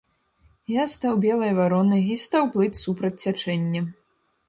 Я стаў белай варонай і стаў плыць супраць цячэння.